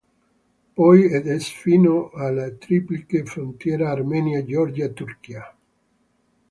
Poi ad est fino alla triplice frontiera Armenia-Georgia-Turchia.